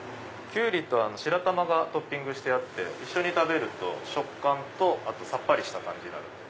キュウリと白玉がトッピングしてあって一緒に食べると食感とあとさっぱりした感じになる。